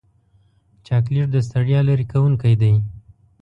چاکلېټ د ستړیا لرې کوونکی دی.